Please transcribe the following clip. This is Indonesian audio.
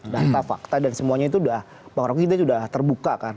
data fakta dan semuanya itu bahwa kita sudah terbuka kan